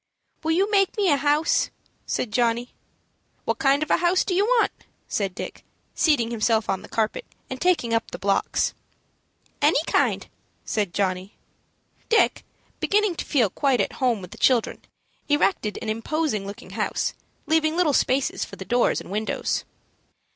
"Will you make me a house?" said Johnny. "What kind of a house do you want?" said Dick, seating himself on the carpet, and taking up the blocks. "Any kind," said Johnny. Dick, beginning to feel quite at home with the children, erected an imposing looking house, leaving little spaces for the doors and windows.